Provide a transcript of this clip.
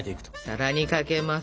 さらにかけます。